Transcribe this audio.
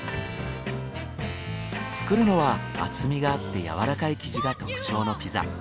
作るのは厚みがあってやわらかい生地が特徴のピザ。